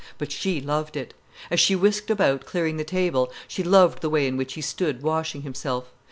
But she loved it. As she whisked about, clearing the table, she loved the way in which he stood washing himself.